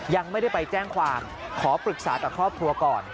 ยังไม่ได้ไปแจ้งความขอปรึกษากับครอบครัวก่อน